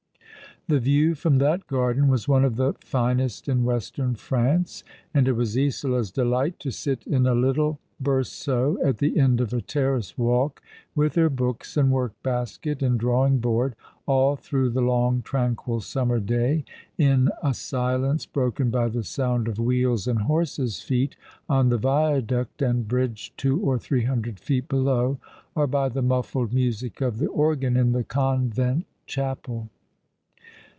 The view from that garden was one of the finest in Western France ; and it was Isola's delight to sit in a little berceau at the end of a terrace walk, with her books and work basket and drawing board, all through the long tranquil summer day, in a silence broken by the sound of wheels and horses' feet on the viaduct and bridge two or three hundred feet below, or by the muffled music of the organ in the convent chapel.